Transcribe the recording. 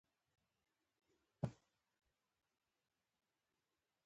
په جاپان هم د لوېدیځ مداخلې په پایله کې مقطعې سر راپورته کړ.